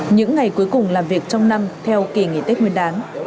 những ngày cuối cùng làm việc trong năm theo kỳ nghỉ tết nguyên đán